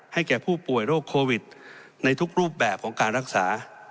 แก่ผู้ป่วยโรคโควิดในทุกรูปแบบของการรักษา